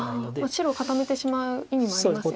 白を固めてしまう意味もありますよね。